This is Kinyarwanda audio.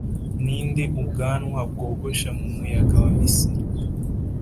ninde ubwanwa bwogosha mumuyaga wa misiri.